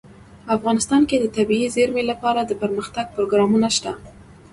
افغانستان کې د طبیعي زیرمې لپاره دپرمختیا پروګرامونه شته.